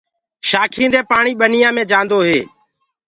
شآکينٚ دي پآڻي ٻنيوڪوُ ملدو هي۔